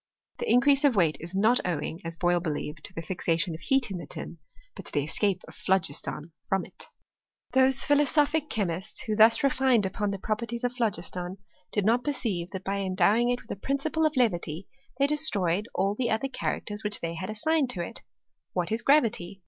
The increase of weight is not owing, as Boyle believed, to the fixation of heat in the tin, but to the escape of phlo giston from it. Those philosophic chemists, who thus refined upon the properties of phlogiston, did not perceive that by endowing it with a principle of levity, they destroyed all the other characters which they had assigned to it. What is gravity